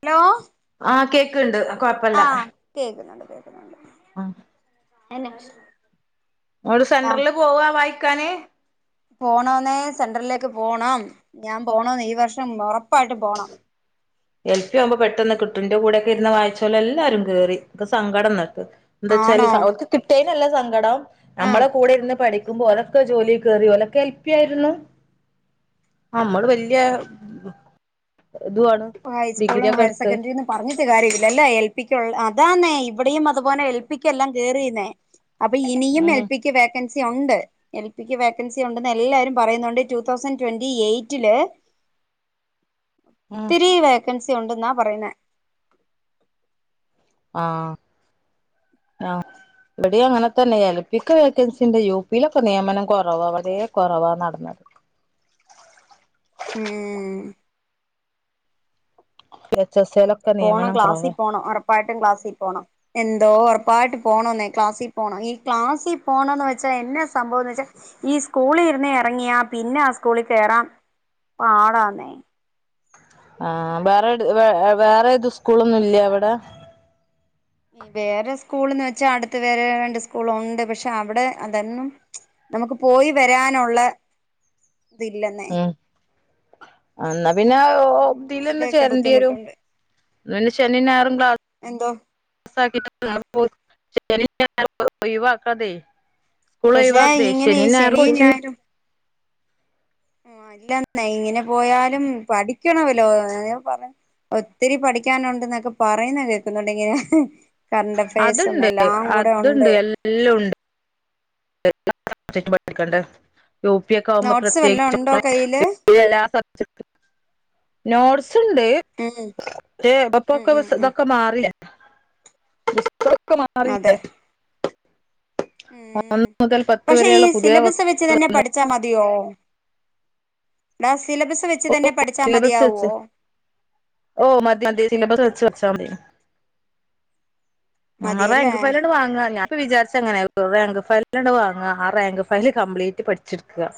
Hello ആ കേക്ക്ണ്ട് കൊഴപ്പല്ല ആഹ് കേക്കുന്നുണ്ട് കേക്കു ഉം എന്ന [unintelligible] സെൻടറില് പോവാ വായി കനേ പോണോന്നെ സെന്ററിലേക്ക് പോണം, ഞാൻ പോണമെന്ന് ഈ വർഷം ഉറപ്പായിട്ട് പോണം. എനിക്ക് അപ്പൊ പെട്ടെന്ന് കിട്ടും ഇന്റെ കൂടെയിരുന്ന് വായിച്ച് എല്ലാവരും കേറി ഇപ്പൊ സങ്കടം നിർത്തി. എന്താ വെച്ചാൽ ആണോ ഓരിക്ക് കിട്ടിയാൻ അല്ല സങ്കടം ആഹ് നമ്മടെ ഇരുന്നു പഠി ഓരോക്ക് ജോലി കേറി ഓരോയൊക്കെ എൽപി ആരുന്നു നമ്മള് വലിയ ഇത് വാ ഇപ്പൊ ഹൈസ് സ്കൂളും ഹയർ സെക്കന്ററി എന്നും പറഞ്ഞ്. പറഞ്ഞിട്ട് കാര്യം ഇല്ല എല്ലാ എൽപിയ്ക്ക് ഉള്ള അതാന്ന് ഇവിടെയും അതുപോലെ എൽപിയ്ക്ക് എല്ലാം കേറിയെന്നേ. അപ്പം ഇനിയും ഉം എൽപിക്ക് വെക്കൻസി. വെക്കൻസി ഒണ്ട് എൽപിയ്ക്ക് വെക്കൻസി ഉണ്ടെന്ന് എല്ലാരും പറയുന്നുണ്ട് റ്റൂ തൗസാൻഡ് ട്വന്റി എയിറ്റിലെ. ഉം ഒത്തിരി വെക്കൻസി. സി ഒണ്ടയെന്നാ പറയുന്നേ. ആഹ് ആ എടി അങ്ങനെ തന്നെ എൽപിയക്ക് വെക്കൻസിയുണ്ട് യുപിയിലൊക്കെ നിയമനം കുറവാ വളരെ കുറവാ നടന്നത്. ഉം എച്ച് എസ് എയിലൊക്കെ പോണം നിയമനം ക്ലാസിൽ കൊറവാ പോണം ഉറപ്പായിട്ടു ക്ലാസിൽ പോണം എന്തോ ഉറപ്പായിട്ട പോണോയന്നേ ക്ലാസിൽ പോണം, ഈ ക്ലാസിൽ പോണം എന്ന് വച്ചാൽ എന്നാ സംഭവം എന്ന് വച്ചാൽ ഈ സ്കൂളിൽ ഇരുന്ന് എറങ്ങിയാ പിന്നെ ആ സ്കൂളിൽ കേറാൻ പാടാന്നേ. ആഹ് വേറേ എട് വേറേ ഏത് സ്കൂൾ ഒന്നും ഇല്ലേ അവിടെ. വേറേ സ്കൂൾ എന്ന് വച്ചാൽ അടുത്ത് വേറേ രണ്ട് സ്കൂൾ ഉണ്ട്, പക്ഷേ അവിടെ അതായിരുന്നു നമുക്ക് പോയി വരാനുള്ള. ഇത് ഇല്ലന്നേ. ഉം എന്നാ പി പിന്നെ ഉം ഇതില് തന്നെ അതിന്റെയൊക്കെ ചേരണ്ടിവരും, ബുദ്ധിമുട്ടുണ്ട് ഇത് പിന്നെ ശനിയും ഞായറും ക്ലാസ്സ്‌. എന്തോ [inaudible] ശനിയും ഞായറും ഒഴിവാക്കാതെ. സ്കൂൾ പക്ഷെ ഒഴിവാക്കാതെ ഇങ്ങനെ ഈ ശനിയും ഞായറും കോച്ചിങ്ങിന്. അല്ലെന്നേ ഇങ്ങനെ പോയാലും പഠിക്കണമല്ലോ ഏഹ് ഒത്തിരി പഠിക്കാൻ ഉണ്ടെന്ന് ഒക്കെ പറയുന്ന കേൾക്കുന്നുണ്ട് ഇങ്ങനെ. കറണ്ട് അഫയേഴ്സും അതുണ്ട് എല്ലാം കൂടെ ഉണ്ട് അതുണ്ട് എല്ലും ഉണ്ട് [unintelligible] യു പി ഒക്കെ ആകുമ്പം നോട്ട്സ് വല്ലോം പ്രത്രേകിച്ച് ഉണ്ടോ കയ്യില് [unintelligible] എല്ലാ സബ്ജെക്റ്റും നോട് സ് സ് ഉം ഉം ണ്ട്പക്ഷേ ഉം [unintelligible] ഉം ഇതൊക്കെ മാറീലെ സൊക്കെ മാറീലെ മ്മ് പത്ത് പക്ഷേ ഈ വരെയുള്ള പുതിയ സിലബസ് വച്ച് തന്നെ പഠിച്ചാ മതിയോ മാസ് ഓ സിലബസ് വെച്ച് ഓ മതി മതി സിലബസ് വെച്ച് ച്ചാമതി ആ മതിയല്ലേ റാങ്ക് ഫലയലാണ് വാങ്ങാ ഞാൻ വിചാരിച്ച ഇങ്ങനെ റാങ്ക് ഫയൽ വാങ്ങാ ആ റാങ്ക് ഫയൽ കംപ്ലീറ്റ് പഠിച്ചിട്ക്കാ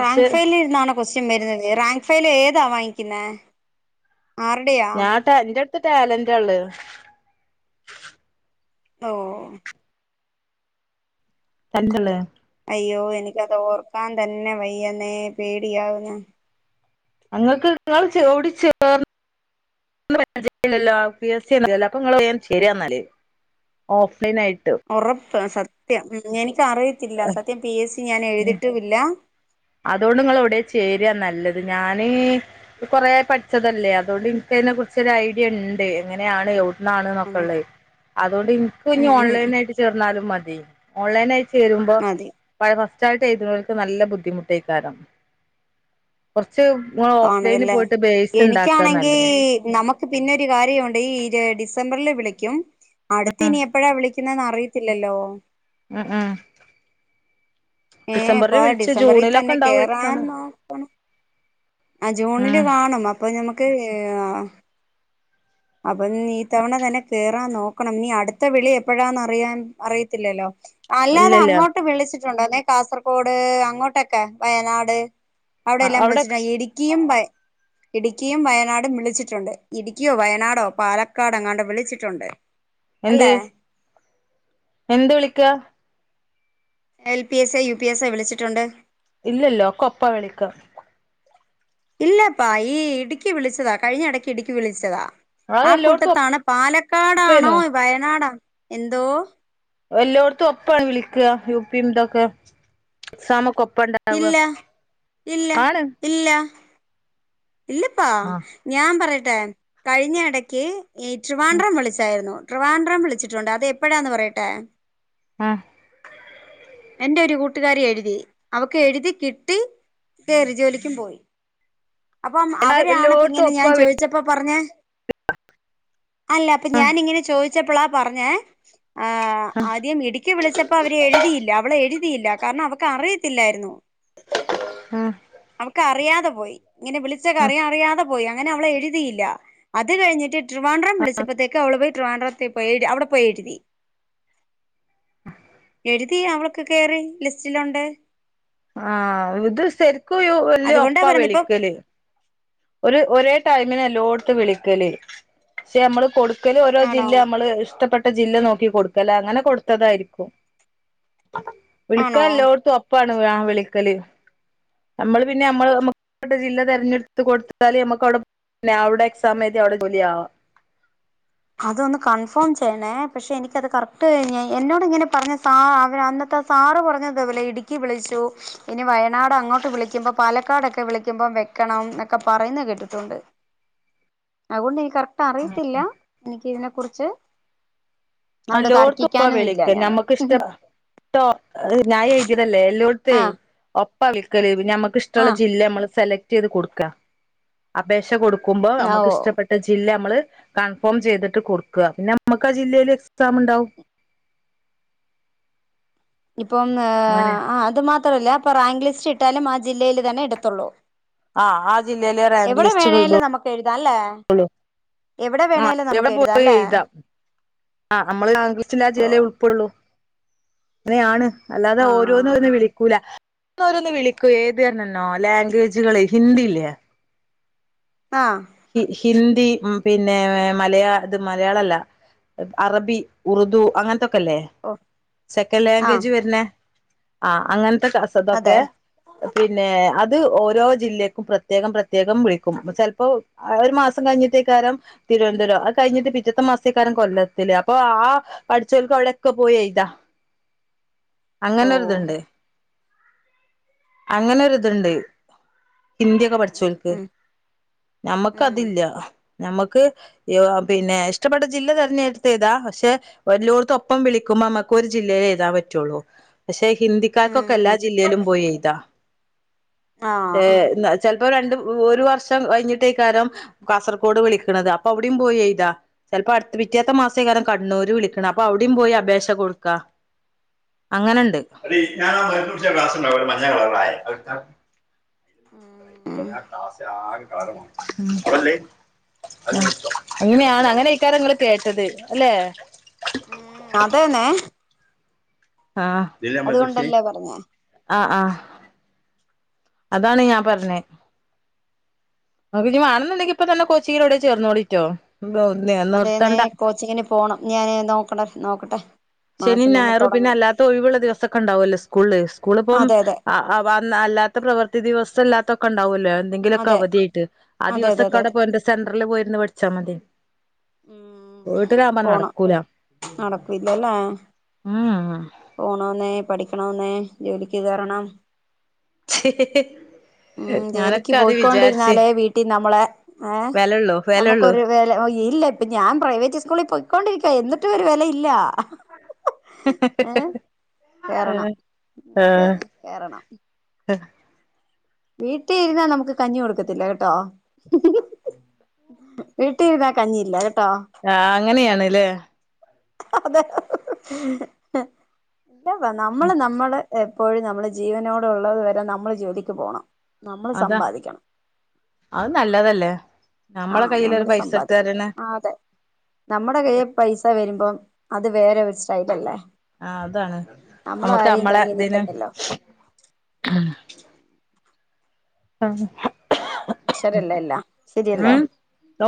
റാങ്ക് ഫയലിൽ ന്നാണോ കൊസ്റ്റൻ വരുന്നത് റാങ്ക് ഫയൽ ഏതാ വാങ്ങിക്കുന്നെ ഞാൻട്ടാ എൻ്റെട് ത്ത് ട്ടാലന്റാ ള്ളെ ഓ തന്നയലേ അയ്യോ എനിക്ക് അത് ഓർക്കാൻ തന്നെ വയ്യന്നെ പേടിയാവുന്നു അങ്ങക്ക് ഇങ്ങളൗടിം ചേർന്നിലല്ലോ പി എസ് സി അപ്പങ്ങളൗടേം ചേരാ നല്ലത് ഒറ പ്പ് സത്യം ഇങ്ങ ഇച്ച അറിയത്തില്ല സത്യം ഞാൻ പി എസ് സി ഞാൻ എഴുതിയിട്ടും ഇല്ല അതോണ്ട് ഇങ്ങള് എവിടെ ചേരാന നല്ലത് ഞാൻ കൊറേ പഠിച്ചത് അല്ലെ അതോണ്ട്എനിക്ക് അതിനെ കുറിച് ഐഡിയ ഉണ്ട് എങ്ങനെയാണ് എവിട് ന്നാണ് നോക്കെ ഉണ്ട് ള്ളത് അതോണ്ട് എനിക്ക് ഉം ഉം ഓൺലൈൻ ഉം ആയി ചേർന്നാലും മതി തി ഓൺലൈൻ ആയി ചെരുമ്പോ മതി മണേ ഫസ് ഫസ്റ്റായിട്ട് എഴുത്ണോൽക്ക് നല്ല ബുദ്ധിമു ട്ടൈക്കാരം കൊറ ച്ച്ങ്ങള് ഓഫ്‌ലൈന് കാണുവല്ലേ പോയിട്ട് ബേസ് ഇണ്ടാകാനല്ലെ ക്ക് പിന്നെ ഒരു കാര്യുണ്ട് ഈ ഡിസംബറിൽ വിളിക്കും അടുത്ത് ഉം ഇനി എപ്പളാ വിളികുന്നേന്ന് അറിയ ത്തില്ലല്ലോ അ ആഹ് ഏ ആപ്പാ ഡിസംബറിൽ തന്നെ ഉണ്ടാവും കേറാൻ എക്സാം നോക്കണം ആ ജൂണിൽ ഉം കാണും അപ്പോ ഞമ്മക്ക് നമ്മക്ക് അപ്പോ ഇത്തവണ തന്നെ കേറാൻ നോക്കണം ഇനി അടുത്ത വിളി എപ്പളാ അറിയിതില്ലല്ലോ അല്ലാതെ ഇല്ലല്ല അങ്ങോട്ട് വിളിച്ചി ട്ട് കാസർഗോഡ് അങ്ങോട്ടാക്കെ, വയനാട് അവിടെ അവിടെല്ലാംവിളിച്ചിട്ടുണ്ട്. ഇടു ഇടുക്കി യും വയനാട് ഉം വിളിച്ചിട്ടുണ്ട്. ഇടുക്കിയോ വയനാടോ പാലക്കാടോ എങ്ങാണ്ട് വിളിച്ചിട്ടുണ്ട് എന്ത് അല്ലെ എന്ത് വിളികാ എ പി സൊ, യൂ പി എസോ വിളിച്ചിട്ടുണ്ട് ഇല്ലല്ലോ ഒക്കെ ഒപ്പ വിളിക്കാ ഇല്ലപ്പാ.. ഈ ഇടുക്കി വിളിച്ചതാ. കഴിഞ്ഞടക്ക് ഇടുക്കി വിളിച്ചതാ ആ കൂട്ടത്താണ് പാലക്കാട്‌ ആണോ ഒപ്പേനു വയനാട് ആ എന്തോ എല്ലോടത്തും ഒപ്പ വിളികാ യു പ്പി ഇതൊക്കെ എക്സാം ഒക്കെ ഉണ്ടാവുക ഇല്ല ഇല്ല ആണ് ഇല്ല ഇല്ലപ്പാ ഞാൻ പറയ [unintelligible] കഴിഞ്ഞ ഇടക്ക് ഈ ട്രിവാൻഡ്രം വിളിച്ചായിരുന്നു ട്രിവാൻഡ്രം വിളിച്ചിട്ടുണ്ട് അത എപ്പളാണ് പറയട്ടെ ആ എന്റെ ഒരു കൂട്ടുകാരി എഴുതി അവൾക്ക് എഴുതി കിട്ടി കേറി ജോലിക്കും പോയി അപ്പം എല്ലാ അവരാണ് എല്ലോടത്തും ഇങ്ങനെ ഞാൻ ഒപ്പാ വി ചോദിച്ചപ്പം പറഞ്ഞ അല്ല പ്പം ആ ഞാനിങ്ങനെ ചോദിച്ചപ്പളാ പറഞ്ഞേ ആ ആദ്യം ഇടുക്കി വിളിച്ചപ്പോൾ അവര് എഴുതിയില്ല അവൾ എഴുതിയില്ല കാരണം അവൾക്ക് അറിയത്തില്ലായിരുന്നു ആ അവൾക്ക് അറിയാതെ പോയി ഇങ്ങനെ വിളിച കാര്യ അറിയാതെ പോയി അങ്ങനെ അവൾ എഴുതിയില്ല അത് കഴിഞ്ഞിട്ട് ട്രിവാൻഡ്രം വിളിച്ചപ്പത്തേക്ക് അവൾ പോയി ട്രിവാൻഡ്രത്ത് പോയി അവിട പോയ എഴുരി എഴുതി കേറി ലിസ്റ്റിൽ ഉണ്ട് ആ ഇത് ശരി [unintelligible] എല്ലും അതുകൊണ്ടാ ഒപ്പ പറയുന്നെ ഇപ്പം വിളിക്കല് ഒരു ഒരേ ടൈമിൽ എല്ലോട്ത്തും വിളിക്കല് പക്ഷേ നമ്മൾ കൊടുക്ക ക്കല് ഒരേ ആണോ ജില്ല ഞമ്മൾ ഇഷ്ടട്ട ജില്ല നോക്കി കൊട് അങ്നെ കൊടുത്തായിരിക്കും വിളിക്കാൻ ആണോ എല്ലാടത്തു ഒപ്പ ഒപ്പാണ് വിളിക്കൽ ഞമ്മൾ പിന്നെ തമ്മളെ ജില്ല തിരഞടുത്ത് [unintelligible] അവിടെ എക്സാം എഴുതി അവിടെ ജോലി ആവാം അതൊന് കൺഫോം ചെയ്യണം പക്ഷേ എനിക്ക് അത് കറക്റ്റ് പറഞ്ഞ കഴിഞ്ഞാൽ [unintelligible] അറിയത്തില തിനെ കുറിച്ച് അവിടെ എല്ലാ തർക്കിക്കാനും ഇല്ല ഞാന് [unintelligible] ഞാൻ എഴതിയതല്ലേ ത്ത് ആഹ് ഓ ഒപ്പ നിക്കൽ ഞമ്മക് ഇഷ്ടമുള്ള ആഹ് ജില്ലയ്ക്ക് സെലക്റ്റ് ചെയ്യാ ചെയ്ത് കൊടുക്കാ ക്കുമ്പോ ഓ ഞമ്മക്ക് ഇഷ്ടപ്പെട്ട ജില്ല ഞമ്മൾ കൺഫോം ചെയ്തിട്ട് കൊടുക്ക പിന്നെ ഞമ്മക്ക് ആ ജില്ലയിൽ വെച്ചിട്ട് എക്സാം ഉണ്ടാകും. ഇപ്പോം ഏ അത് മാത്രം അല്ല ഇപ്പൊ റാങ്ക് ലിസ്റ്റ് കിട്ടിയാലും ആ ജില്ലയിൽ തന്നെ കിട്ടാത്തൊള്ളൂ ആ ആ ജില്ലയിലെ റാങ്ക് ലിസ്റ്റിൽ ഇടുള്ളു വേണേലും നമുക്ക് എഴുതാം അല്ലേ ലേ എവിടെ ആ വേണേലും എവിടെ നമുക്ക് എഴുതാം പോയാലും അല്ലേ എഴുത അ ഞമ്മൾ റാങ്ക് ലിസ്റ്റ് ആ ഓ ജില്ലയിലെ ഉൾപ്പെടോള്ളൂ അങ്ങനെയാണ് അല്ലാതെ ആ ഓരോന്ന് ഓൾ വിളിക്കൂല ഓരോന്ന് ഓരോന്ന് വിളിക്കും ഏത് എന്ന് പറഞ്ഞു തരണോ ലാംഗ്വേജ്കൾ ഹിന്ദി ഇല്ലേ ആഹ് ഹി ഹിന്ദി പിന്നെ മലയാളം മലയാളം അല്ല അറബി ഉറുദു അങ്ങനെത്തെ ഒക്കെ ഒക്കെ ഇല്ലേ ഓ സെക്കന്റ്‌ ആ ലാംഗ്വേജ് വരുന്നേ അ അങ്ങനെ അതെ ത്തെ പിന്നെ അത് ഓ രോ ജില്ലക്കും പ്രേത്യേക കം പ്രേത്യേകം വിളിക്കും ഒരു മാസം കഴിഞ്ഞിട്ടക്കാരം തിരുവനന്തപുരം അത് കഴിഞ്ഞിട്ട് പിറ്റത്തെ മാസക്കാരം കൊല്ലത്തിൽ അപ്പൊ ആ പഠിച്ചോൽക്ക് അവിടെ പോയി ഒക്കെ എഴുതാം ഓ അങ്ങനെ ഒരു ഇത് ഉണ്ട് അങ്ങനെ ഒരു ഇത് ഉണ്ട് ഹിന്ദി ഒക്കെ ഉം ഉം പഠിച്ചോൽക്ക് ഉം ഞമ്മക്ക് ഉം അത് ഇല്ല ഞമ്മക്ക് പിന്നെ ഇഷ്ട്ടപ്പെട്ട ജില്ല തെരഞ്ഞെടുത് എഴുതാം പക്ഷെ എല്ലോടത്തും ഒപ്പം വിളിക്കുമ്പോൾ ഞമ്മക്ക് ഒരു ജില്ലയിലെ എഴുതാൻ പറ്റൂള്ളൂ പക്ഷെ ഹിന്ദിക്കാർക്ക് ഒക്കെ എല്ലാ ഉം ജില്ലയിലും പോയി എഴുതാം ആ ഏ ചെലപ്പോ ഇപ്പൊ രണ്ട് ഒരു വർഷം കഴിഞ്ഞപ്പൊ കഴിഞ്ഞിട്ട് ക്കാരം കാസർഗോഡ് വിളിക്കണത് അപ്പൊ അവിടിം പോയി എഴുതാം ചിലപ്പോ അടുത്ത പിറ്റത്തെ മാസക്കാരം കണ്ണൂർ വിളിക്കണത് അപ്പൊ അവിടിം പോയി അപേക്ഷ കൊടുക്കാം അങ്ങനെ ഉണ്ട് ഉം മ്മ് അങ്ങനെയാണ് അങ്ങന്ക്കാരം ഇങ്ങള് കേട്ടത് ല്ലേ അതെന്നെ അതുകൊണ്ട് അല്ലെ പറഞ്ഞെ അ ആ അതാണ് ഞാൻ പറഞ്ഞേ ഇങ്ങൾക്ക് ഇനി വേണംന്നുണ്ടെങ്കിൽ കോച്ചിംങ്ങിന് എവിടെ എങ്കിലും ചേർന്നോളി ട്ടോ അതേന്നെ നിർത്തേണ്ട കോച്ചിങ്ങിന് പോണം ഞാന് നോക്കണ നോക്കട്ടെ ശനിയും മാസം തന്നെ ഞായറും പിന്നെ തുടങ്ങണം അല്ലാത്ത ഒഴിവ് ഉള്ള ദിവസം ഒക്കെ ഉണ്ടാവല്ലോ സ്കൂള്ല് സ്കൂൾ ഇപ്പൊ അതെ അതെ പ്രവർത്തി ദിവസം അല്ലാത്തക്കൊ ഉണ്ടാവല്ലോ എന്തെങ്കിലും ഒക്കെ അതെ അവധി ആയിട്ട് ആ അതെ ദിവസം അതെ ഒക്കെ അതെ അവിടെ അതെ പോയി സെന്ററിൽ പോയി ഇരിന്നു പഠിച്ചാൽ മതി ഉം വീട്ടിലാകുമ്പോ പോണം നടക്കൂല നടക്കൂലല്ലേ ആ ആ പോണോന്നെ പഠി ണോംന്നെ ജോലിക്ക് കേറണം ഉം ജോലിക്ക് ഞാനൊക്കെ അത് വിചാരിച്ച് പോയ്കൊണ്ടിരുന്നാലേ വീട്ടിൽ നമ്മളെ ഏ വെലള്ളൂ വെലള്ളൂ നമ്മുക്കൊരു വെല ഓയ് ഇല്ല പ്പോ ഞാൻ പ്രൈവറ്റ് സ്കൂളിൽ പൊയ്‌കൊണ്ടിരിക്കാ എന്നി ട്ടുംഒരു വെല ഇല്ല ഏഹ് കേറണം ആഹ് ആഹ് അതെതെ കേറണം വീട്ടിഇരുന്ന നമ്മക്ക് കഞ്ഞി കൊടുക്കത്തില്ല കേട്ടോ വീട്ടി ഇരുന്ന കഞ്ഞി ഇല്ല കേട് ആ അങ്ങനെ ആണ്ല്ലേ അതെ ന്തോവ നമ്മള് നമ്മളെ എപ്പോഴും നമ്മള് ജീവനോടെ ഉള്ളത് വരെ നമ്മള് ജോലിക്ക് പോണം നമ്മള് അതാ സമ്പാദിക്കണം അത് നല്ലതല്ലേ നമ്മളെ ആഹ് കയ്യിലൊരു നമ്മള് പൈസ ഇട്ട് സമ്പാദിക്കണം തരണ ആ അതെ നമ്മടെ കൈയെ പൈസ വരുമ്പം അത് വേറൊരു സ്റ്റൈലല്ലേ ആ അതാണ് നമ്മൾ നമ്മക്ക് ആരെയും നമ്മളെ താങ്ങി ന്തിനും നിക്കണ്ടല്ലോ ശര്യല്ലേ എല്ലാം ശരിയല്ലേ ഉം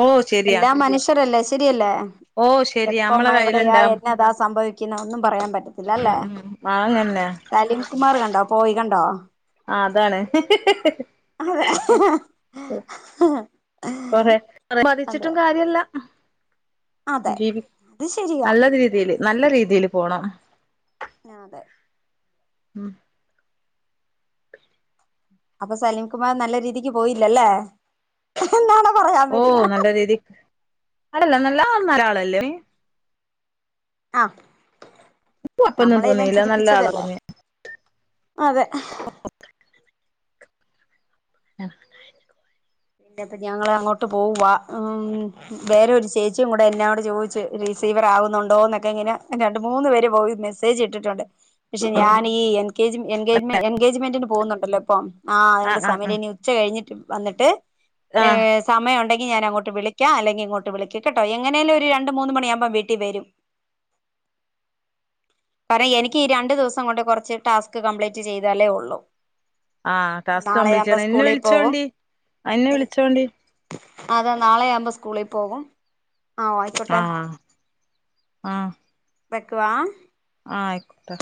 ഓഹ് ശരിയാ എല്ലാം മനുഷ്യരല്ലേ ശ ശരിയല്ലേ ഓഹ് ശരിയാ നമ്മളെ എപ്പോമാ എവിടെയാ കയ്യിലുണ്ടാ ഉം എന്നതാ സംഭവിക് [unintelligible] ഒന്നും പറയാൻ പ ത്തിലല്ലേ ഉം വാങ്ങന്നെ സലിം കുമാറ് കണ്ടോ പോയ് കൻ ട്ടൊ ആ അതാണ് അതെ ഉം [unintelligible] അതെ മരിച്ചിട്ടും കാര്യല്ല അതെ ജീവി അത് ശരിയാ നല്ല രീതീല് നല്ല രീതില് പോണം ആ അതെ ഉം അപ്പൊ സലിം കുമാർ നല്ല രീതിക്ക് പോയില്ലല്ലേ [unintelligible] ഓ വരുന്നെ നല്ല രീതി അല്ലല്ല ന [unintelligible] വന്നൊരാളല്ലേ ആ നിക്ക് കുഴപ്പം ഒന്നും നമ്മളെല്ലാം തോന്നില നല്ലാളാ ചിരിപ്പിച്ചതല്ലേ തോന്നിയ അതെ [inaudible] എൻ്റെപ്പം ഞങ്ങളങ്ങോട്ടു പോവുവാ ഉംം വേറെ ഒരു ചേച്ചിയും കൂടെ എന്നോട് ചോദിച്ച് റിസീവർ ആവുന്നുണ്ടോ എന്നെക്കെ ഇങ്ങനെ രണ്ടു മൂന്നു പോരെക്കെ വോയി മെസേജ് ഇട്ടിട്ടുണ്ട് പക്ഷെ ഞാൻ ഈ ഗേജ് എൻഗേജ്മെൻ എൻഗേജ്മെൻ്റിന് പോകുന്നു ണ്ടല്ലേപ്പം ആ അതോണ്ട് ആഹ് ആഹ് സമയമില്ല ആഹ് ഇനി ഉച്ച കഴിഞ്ഞിട്ട് വന്നിട്ട് ആഹ് ഏഹ് സമയമുണ്ടെ ണ്ടെങ്കി ഞാൻ അങ്ങോട്ട് വിളിക്കാം അല്ലെങ്കിൽ ഇങ്ങോട്ട് വിളിക്ക് കേട്ടോ എങ്ങനേലും ഒരു രണ്ടുമൂന്ന് മണിയാകുമ്പോൾ വീട്ടി വരും കാരണം എനിക്കീ രണ്ടു ദിവസം കൊണ്ട് കൊറച്ച് ടാസ്‌ക് കംപ്ലീറ്റ് ചെയ്താലേ ഉള്ളു ആ ടാസ്‌ക് കംപ്ലീറ്റ് ചെയ്യണം എന്നെ പോകും വിളിച്ചോണ്ടി എന്നെ വിളിച്ചോണ്ടി അതാ നാളെയാകുമ്പോൾ സ്‌കൂളിൽ പോകും ആഹ് ആ ആയിക്കോട്ടെ ആ വെക്കുവാ ആയിക്കോട്ടെ